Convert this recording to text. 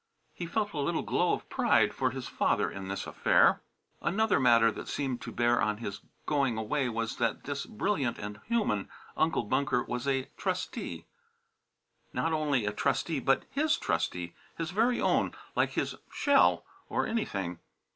He felt a little glow of pride for his father in this affair. Another matter that seemed to bear on his going away was that this brilliant and human Uncle Bunker was a "trustee." Not only a trustee, but his trustee; his very own, like his shell, or anything.